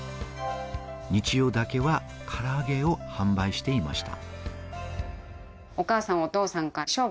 日曜だけは唐揚げを販売していました。